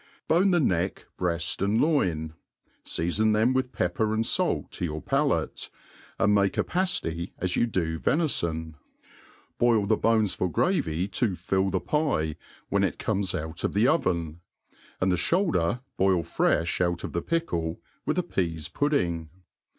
Bone the neck, bread, and loin ; (eafon them with pepper and fait to your palate, and make a pafty as you do venifon. Boil the bones for gravy to fiJl the pie, when it comes out of the oven ; and the ihoulder boil frefli out of the pickle, with Jk peas pudding.